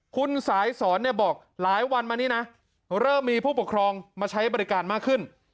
คุณสายสอนเนี่ยบอกหลายวันมานี้นะเริ่มมีผู้ปกครองมาใช้บริการมากขึ้น